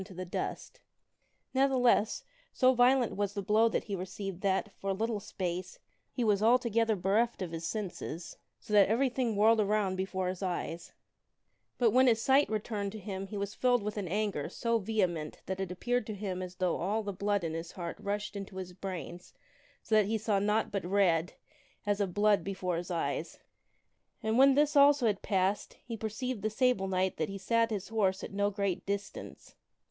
j n t o the dust Ne'theless, so violent was the blow that he re ceived that, for a little space, he was altogether bereft of his senses so that everything whirled around before his eyes. KING ARTHUR BREAKETH HIS SWORD 57 But when his sight returned to him he was filled with an anger so vehe ment that it appeared to him as though all the blood in his heart rushed into his brains so that he saw naught but red, as of blood, before his eyes. And when this also had passed he perceived the Sable Knight that he sat his horse at no great distance.